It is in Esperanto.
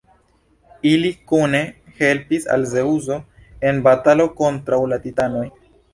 Ili kune helpis al Zeŭso en batalo kontraŭ la titanoj.